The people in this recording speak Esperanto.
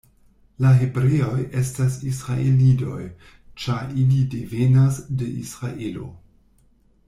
La hebreoj estas Izraelidoj, ĉar ili devenas de Izraelo.